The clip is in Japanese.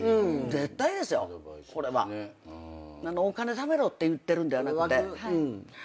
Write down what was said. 絶対ですよこれは。お金ためろって言ってるんではなくて。